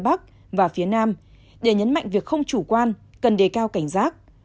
bắc và phía nam để nhấn mạnh việc không chủ quan cần đề cao cảnh giác